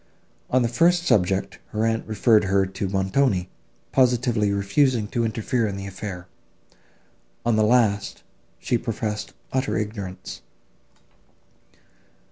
On the first subject her aunt referred her to Montoni, positively refusing to interfere in the affair; on the last, she professed utter ignorance.